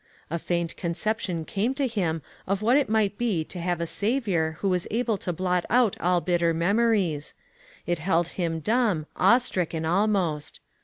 A faint conception came to him of what it might be to have a Saviour who was able to blot out all bitter memories ; it held him dumb, awe stricken almost.